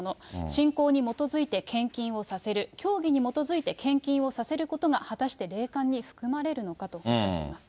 信仰に基づいて献金をさせる、教義に基づいて献金をさせることが果たして霊感に含まれるのかとおっしゃってます。